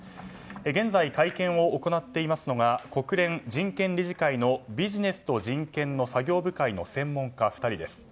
現在、会見を行っているのが国連人権理事会のビジネスと人権の作業部会の専門家２人です。